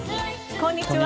こんにちは。